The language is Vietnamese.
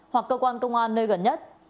hoặc cơ quan công an nơi gần nhất